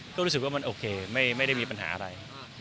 ก็รู้สึกว่ามันโอเคไม่ได้มีปัญหาอะไร